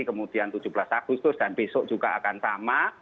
kemudian tujuh belas agustus dan besok juga akan sama